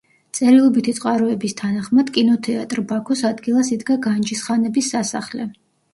წერილობითი წყაროების თანახმად კინოთეატრ „ბაქოს“ ადგილას იდგა განჯის ხანების სასახლე.